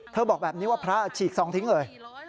บอกแบบนี้ว่าพระฉีกซองทิ้งเลย